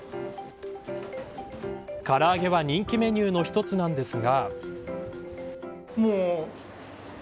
からあげは人気メニューの一つなんですが。